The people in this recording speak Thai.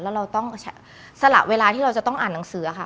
แล้วเราต้องสละเวลาที่เราจะต้องอ่านหนังสือค่ะ